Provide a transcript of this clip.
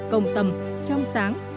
công tâm trong sáng